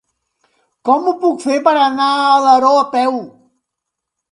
Com ho puc fer per anar a Alaró a peu?